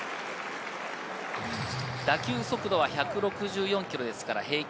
打球速度は１６４キロですから、平均。